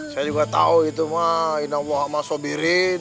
saya juga tahu itu mah inna allah ma sobirin